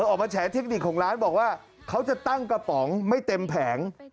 ออกมาแฉเทคนิคของร้านบอกว่าเขาจะตั้งกระป๋องไม่เต็มแผง